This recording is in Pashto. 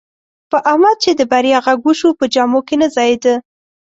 په احمد چې د بریا غږ وشو، په جامو کې نه ځایېدا.